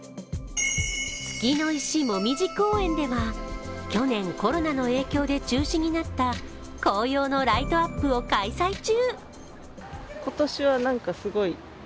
月の石もみじ公園では去年、コロナの影響で中止になった紅葉のライトアップを開催中。